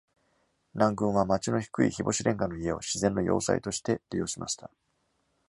南軍は町の低い日干し煉瓦の家を自然の要塞として利用しました。